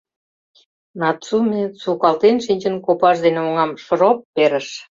Нацуме, сукалтен шинчын, копаж дене оҥам шроп перыш.